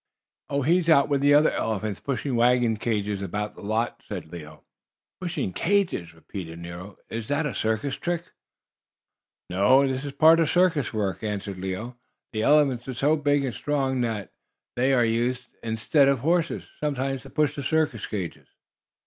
"Oh, he's out with the other elephants, pushing wagon cages about the lot," said Leo. "Pushing cages?" repeated Nero. "Is that a circus trick?" "No, that is part of the circus work," answered Leo. "The elephants are so big and strong that they are used instead of horses, sometimes, to push the circus cages."